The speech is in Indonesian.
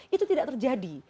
itu tidak terjadi